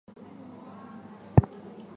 属福州长乐郡。